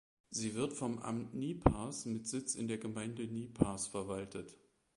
Sie wird vom Amt Niepars mit Sitz in der Gemeinde Niepars verwaltet.